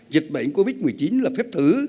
dịch bệnh covid một mươi chín là phép thử